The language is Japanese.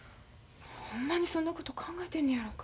ほんまにそんなこと考えてんのやろか。